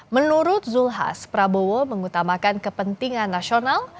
menurut zulkifli hasan prabowo mengutamakan kepentingan nasional